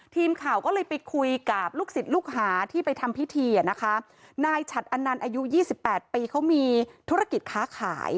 ทีมข่าวก็เลยไปคุยกับลูกศิษย์ลูกหาที่ไปทำพิธีอ่ะนะคะนายฉัดอนันต์อายุยี่สิบแปดปีเขามีธุรกิจค้าขาย